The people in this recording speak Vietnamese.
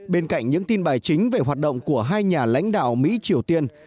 bên cạnh những tin bài chính về hoạt động của hai nhà lãnh đạo mỹ triều tiên